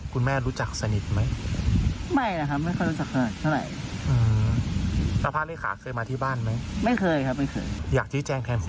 เพราะว่าแม่ก็เคยรับจ้างให้ฟังอยู่